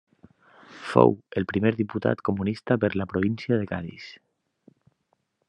Fou el primer diputat comunista per la província de Cadis.